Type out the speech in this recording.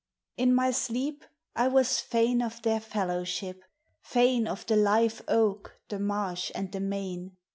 Ix my sleep I was fain of their fellowship, fain Of the live oak, the marsh and the main.